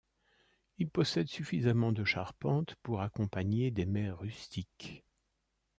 Il possède suffisamment de charpente pour accompagner des mets rustiques.